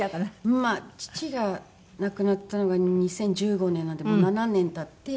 まあ父が亡くなったのが２０１５年なのでもう７年経って。